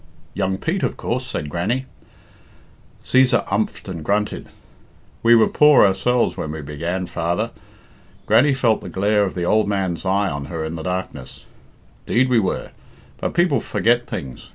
"Young Pete, of course," said Grannie. Cæsar umpht and grunted. "We were poor ourselves when we began, father." Grannie felt the glare of the old man's eye on her in the darkness. "'Deed, we were; but people forget things.